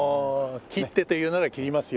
斬ってと言うなら斬りますよ。